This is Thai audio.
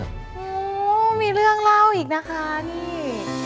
โอ้โหมีเรื่องเล่าอีกนะคะนี่